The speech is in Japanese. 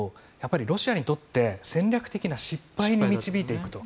ロシアにとって戦略的な失敗に導いていくと。